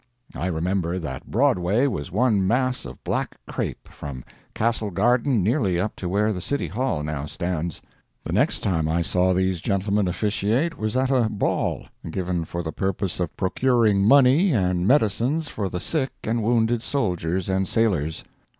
I remember that Broadway was one mass of black crape from Castle Garden nearly up to where the City Hall now stands. The next time I saw these gentlemen officiate was at a ball given for the purpose of procuring money and medicines for the sick and wounded soldiers and sailors.